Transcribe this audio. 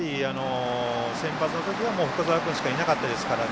センバツのときは深沢君しかいなかったですからね。